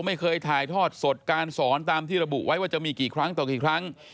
ไม่เคยถ่ายทอดสดการสอนตามที่ระบุไว้ว่าจะมีกี่ครั้งต่อกี่ครั้ง